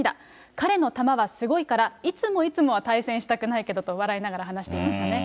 彼の球はすごいから、いつもいつもは対戦したくないけどと笑いながら話していましたね。